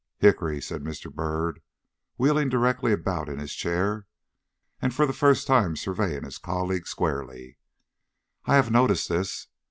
"Hickory," said Mr. Byrd, wheeling directly about in his chair and for the first time surveying his colleague squarely, "I have noticed this.